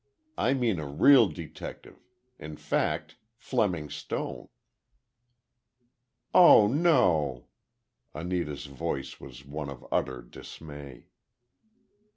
I mean a real detective—in fact, Fleming Stone." "Oh, no!" Anita's voice was one of utter dismay.